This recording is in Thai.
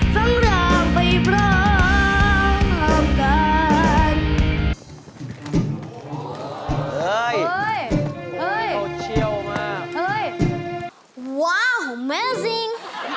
สังหร่างไปบรอบกันสังหร่างไปบรอบกัน